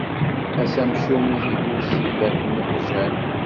Ass amcum, ideg ur sseglafen iqjan.